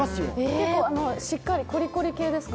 結構しっかりコリコリ系ですか？